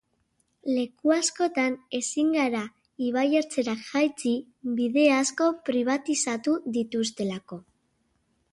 Leku askotan ezin gara ibaiertzera jaitsi, bide asko pribatizatu dituztelako.